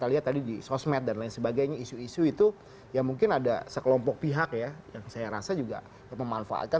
kita lihat tadi di sosmed dan lain sebagainya isu isu itu ya mungkin ada sekelompok pihak ya yang saya rasa juga memanfaatkan